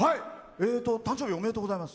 誕生日おめでとうございます。